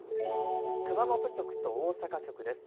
熊本局と大阪局です。